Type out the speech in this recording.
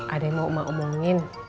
ada yang mau omongin